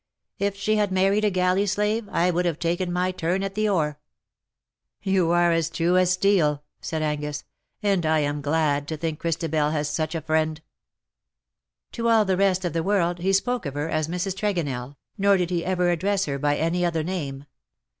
If she had married a galley slave I would have taken my turn at the oar.^' ^^ You are as true as steel/' said Angus; '' and I am glad to think Christabel has such a friend/' To all the rest of the world he spoke of her as Mrs. Tregonell, nor did he ever address her by any other name.